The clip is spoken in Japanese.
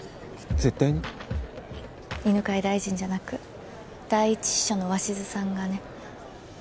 犬飼大臣じゃなく第一秘書の鷲津さんがね。